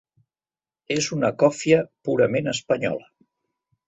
És una còfia purament espanyola.